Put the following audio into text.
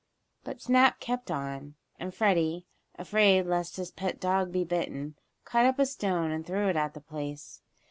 But Snap kept on, and Freddie, afraid lest his pet dog be bitten, caught up a stone and threw it at the place.